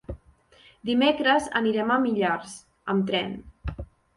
Dimecres anirem a Millars amb tren.